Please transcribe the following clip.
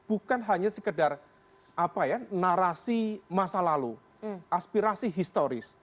bukan hanya sekedar narasi masa lalu aspirasi historis